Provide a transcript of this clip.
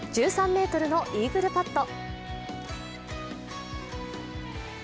１３ｍのイーグルパット。